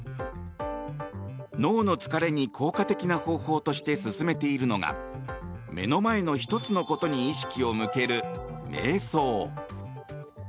脳の疲れに効果的な方法として勧めているのが目の前の１つのことに意識を向けるめい想。